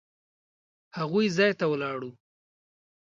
هغوی ځای ته ولاړو.